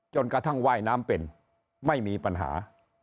กระทั่งว่ายน้ำเป็นไม่มีปัญหา